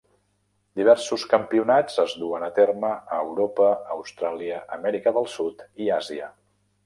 Diversos campionats es duen a terme a Europa, Austràlia, Amèrica del Sud i Àsia.